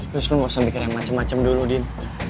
lo gak usah mikir yang macem macem dulu din